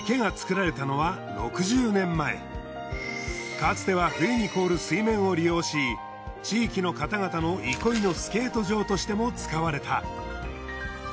かつては冬に凍る水面を利用し地域の方々の憩いのスケート場としても使われた。